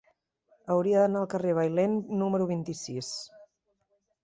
Hauria d'anar al carrer de Bailèn número vint-i-sis.